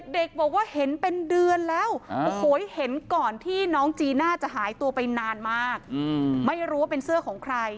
เด็กบอกว่าเห็นเป็นเดือนแล้วโอ้โหเห็นก่อนที่น้องจีน่าจะหายตัวไปนานมากไม่รู้ว่าเป็นเสื้อของใคร